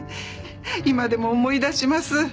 今でも思い出します。